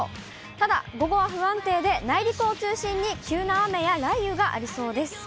ただ、午後は不安定で、内陸を中心に急な雨や雷雨がありそうです。